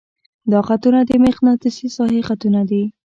دا خطونه د مقناطیسي ساحې خطونه دي.